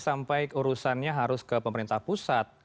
sampai urusannya harus ke pemerintah pusat